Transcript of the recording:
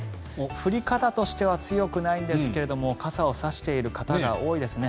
降り方としては強くないんですけれども傘を差している方が多いですね。